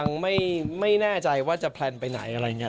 ยังไม่แน่ใจว่าจะแพลนไปไหนอะไรอย่างนี้